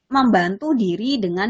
membantu diri dengan